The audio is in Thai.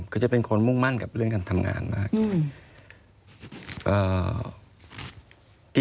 ก็จะเป็นคนมุ่งมั่นกับเรื่องการทำงานมาก